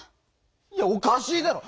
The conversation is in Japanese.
いやおかしいだろ！